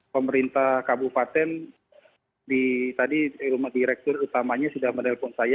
pemerintah kabupaten tadi direktur utamanya sudah menelpon saya